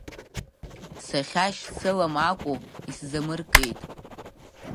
Сахьашьцылам акәу, исзамыркит…